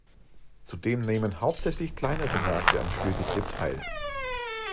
Zudem nehmen hauptsächlich kleinere Märkte am Spielbetrieb teil.